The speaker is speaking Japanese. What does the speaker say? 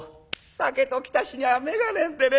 「酒と堅塩には目がねえんでね。